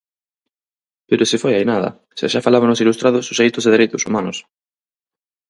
Pero se foi hai nada, se xa falaban os ilustrados suxeitos de dereitos humanos!